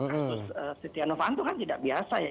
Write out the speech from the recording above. kasus setia novanto kan tidak biasa ya